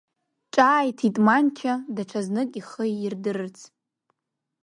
Ҿааиҭит Манча, даҽа знык ихы иирдырырц.